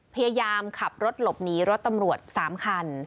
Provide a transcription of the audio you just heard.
พยายามขับรถหลบหนีรถตำรวจ๓คัน